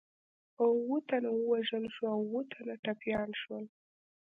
اووه تنه ووژل شول او اووه تنه ټپیان شول.